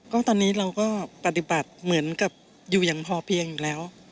ก็ตอนนี้เราก็ปฏิบัติเหมือนกับอยู่อย่างพอเพียงอยู่แล้ว